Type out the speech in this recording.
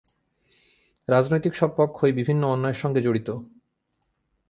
রাজনৈতিক সব পক্ষই বিভিন্ন অন্যায়ের সঙ্গে জড়িত।